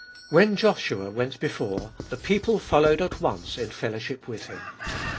When Joshua went before, the people followed at once in fellowship with him.